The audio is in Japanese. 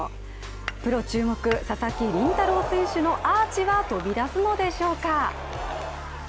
プロ注目、佐々木麟太郎選手のアーチは飛び出すのでしょうか。